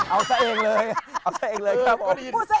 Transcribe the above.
เอาซะเองเลยเอาซะเองเลยครับ